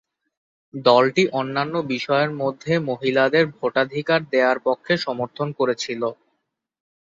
দলটি অন্যান্য বিষয়ের মধ্যে মহিলাদের ভোটাধিকার দেওয়ার পক্ষে সমর্থন করেছিল।